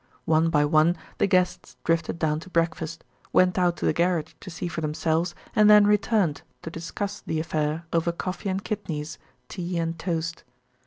One by one the guests drifted down to breakfast, went out to the garage to see for themselves, and then returned to discuss the affair over coffee and kidneys, tea and toast.